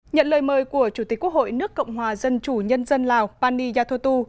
nhận lời mời của chủ tịch quốc hội nước cộng hòa dân chủ nhân dân lào pani yathotu